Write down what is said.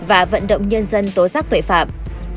và vận động nhân dân tố giác tuệ phạm